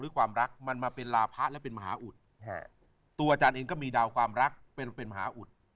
หรือความรักมันมาเป็นราพะและเป็นมหาอุทธิ์ตัวอาจารย์เองก็มีดาวความรักเป็นมหาอุทธิ์